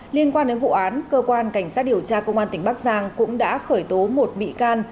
liên quan đến vụ án cơ quan cảnh sát điều tra công an tỉnh bắc giang cũng đã khởi tố một bị can